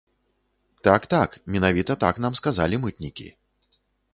Так-так, менавіта так нам сказалі мытнікі.